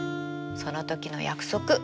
その時の約束。